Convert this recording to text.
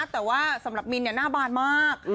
แต่ว่าสำหรับมินหน้าบานมาก